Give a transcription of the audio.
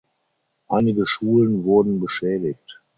Einige Schulen wurden beschädigt.